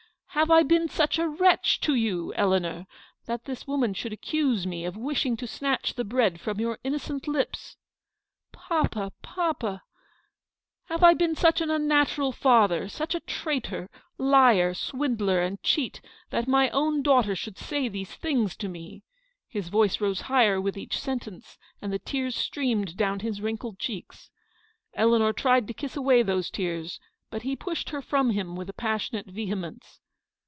"Have I been such a wretch to you, Eleanor, 34 Eleanor's victory. that this woman should accuse me of wishing to snatch the bread from your innocent lips ?"" Papa, papa !"" Have I been such an unnatural father, such a traitor, liar, swindler, and cheat, that my own daughter should say these things to me ?" His voice rose higher with each sentence, and the tears streamed down his wrinkled cheeks. Eleanor tried to kiss away those tears ; but he pushed her from him with passionate vehe mence.